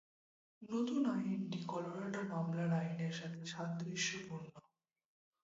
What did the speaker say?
নতুন আইনটি কলোরাডোর মামলার আইনের সাথে সাদৃশ্যপূর্ণ।